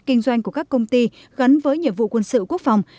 kinh doanh của các công ty gắn với nhiệm vụ quân sự quốc phòng